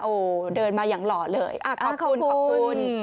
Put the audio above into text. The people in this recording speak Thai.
โอ้โหเดินมาอย่างหล่อเลยขอบคุณขอบคุณ